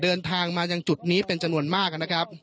เดินทางมายังจุดนี้เป็นจำนวนมากนะครับ